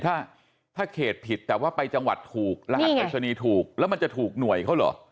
ถ้าถ้าเขตผิดแต่ว่าไปจังหวัดถูกรหัสปริศนีย์ถูกแล้วมันจะถูกหน่วยเขาเหรอ